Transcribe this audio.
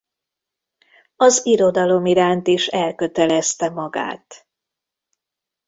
Az irodalom iránt is elkötelezte magát.